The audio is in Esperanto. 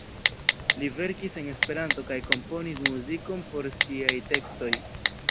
Li verkis en Esperanto kaj komponis muzikon por siaj tekstoj.